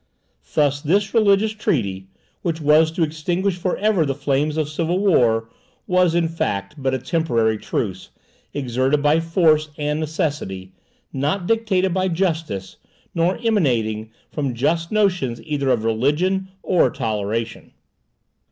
Thus this religious treaty, which was to extinguish for ever the flames of civil war, was, in fact, but a temporary truce, extorted by force and necessity; not dictated by justice, nor emanating from just notions either of religion or toleration.